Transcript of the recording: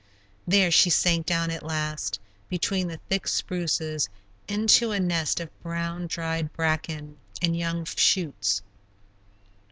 There she sank down at last, between the thick spruces, into a nest of brown, dried bracken and young fern shoots.